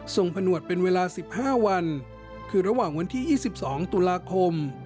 ผนวดเป็นเวลา๑๕วันคือระหว่างวันที่๒๒ตุลาคม